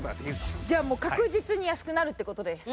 じゃあもう確実に安くなるって事です。